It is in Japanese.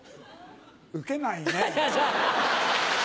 ウケないね。